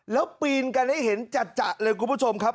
แล้วปีนกันให้เห็นจัดเลยคุณผู้ชมครับ